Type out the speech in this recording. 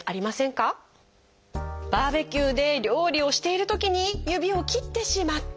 バーベキューで料理をしているときに指を切ってしまった。